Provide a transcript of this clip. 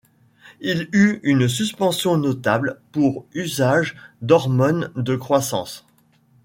Il eut une suspension notable pour usage d'hormone de croissance.